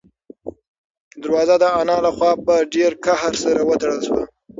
دروازه د انا له خوا په ډېر قهر سره وتړل شوه.